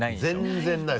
全然ない！